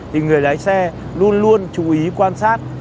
thì người lái xe luôn luôn chú ý quan sát